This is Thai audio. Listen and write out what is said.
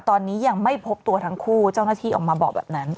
ตอนนี้ยังไม่พบตัวทั้งคู่เจ้าหน้าที่ออกมาบอกแบบนั้น